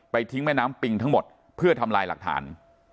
ทิ้งแม่น้ำปิงทั้งหมดเพื่อทำลายหลักฐาน